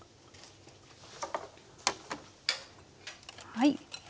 はい。